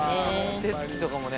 手つきとかもね。